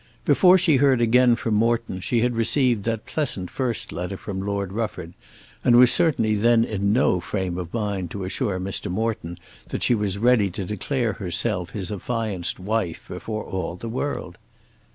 Before she heard again from Morton she had received that pleasant first letter from Lord Rufford, and was certainly then in no frame of mind to assure Mr. Morton that she was ready to declare herself his affianced wife before all the world.